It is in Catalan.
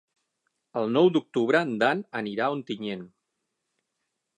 El nou d'octubre en Dan anirà a Ontinyent.